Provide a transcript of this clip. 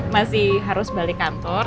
masih harus balik kantor